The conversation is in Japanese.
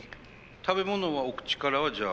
食べ物はお口からはじゃあ。